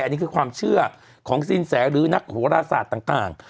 อันนี้คือความเชื่อของสินแสหรือนักโหราศาสตร์ต่าง